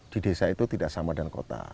di desa itu tidak sama dengan kota